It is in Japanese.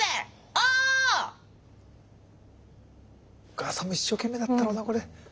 お母さんも一生懸命だったろうなあこれ。